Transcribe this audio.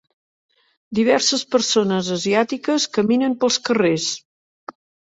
Diverses persones asiàtiques caminen pels carrers.